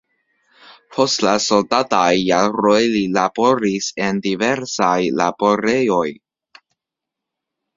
Post la soldataj jaroj li laboris en diversaj laborejoj.